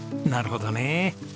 なるほどね。